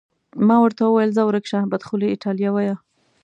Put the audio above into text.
ما ورته وویل: ځه ورک شه، بدخولې ایټالویه.